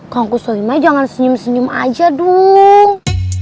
kang kusoy mah jangan senyum senyum aja dong